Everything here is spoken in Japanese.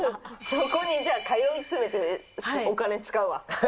そこに通い詰めてお金使うわ。